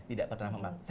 tidak pernah memaksa